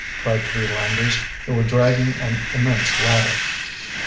cried three landers, who were dragging an immense ladder.